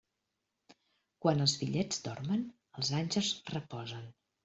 Quan els fillets dormen, els àngels reposen.